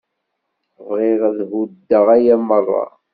Bɣiɣ ad thuddeḍ aya merra.